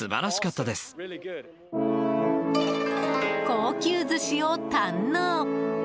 高級寿司を堪能。